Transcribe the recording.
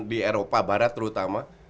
di eropa barat terutama